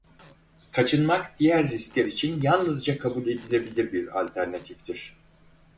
Kaçınmak diğer riskler için yalnızca kabul edilebilir bir alternatiftir.